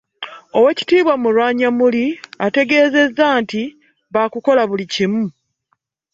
Oweekitiibwa Mulwanyammuli ategeezezza nti ba kukola buli kimu